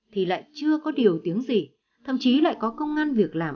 thì lại chưa có điều tiếng gì thậm chí lại có công an việc làm ổn định